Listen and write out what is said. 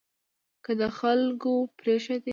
که خلکو پرېښودې